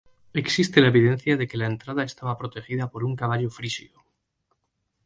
Existe la evidencia de que la entrada estaba protegida por un caballo frisio.